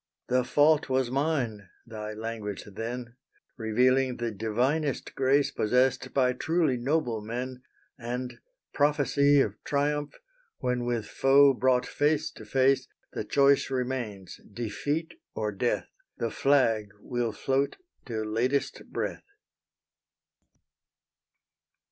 "The fault was mine," thy language then, Revealing the divinest grace Possessed by truly noble men, And, prophecy of triumph, when With foe brought face to face, The choice remains, defeat or death, The flag will float till latest breath.